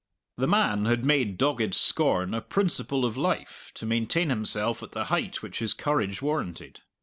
The man had made dogged scorn a principle of life to maintain himself at the height which his courage warranted.